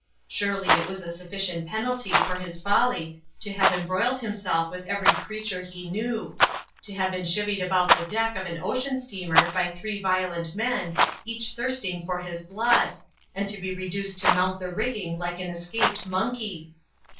Surely it was a sufficient penalty for his folly to have embroiled himself with every creature he knew ; to have been chivied about the deck of an ocean steamer by three violent men, each thirsting for his blood ; and to be reduced to mount the rigging like an escaped monkey